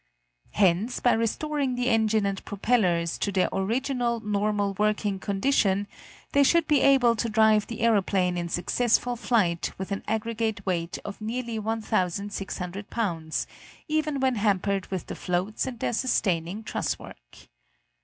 Hence, by restoring the engine and propellers to their original normal working condition they should be able to drive the aeroplane in successful flight with an aggregate weight of nearly 1,600 pounds, even when hampered with the floats and their sustaining truss work.